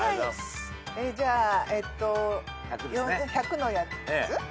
じゃあ１００のやつ？